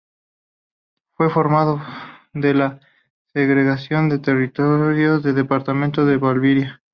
Fue formado de la segregación de territorios del Departamento de Valdivia.